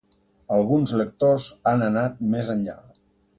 Alguns lectors han anat més enllà.